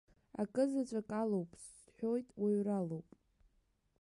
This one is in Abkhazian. Акызаҵәык алоуп, сҳәоит, уаҩралоуп.